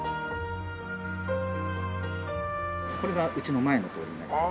これがうちの前の通りになります。